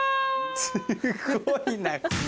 すごいな。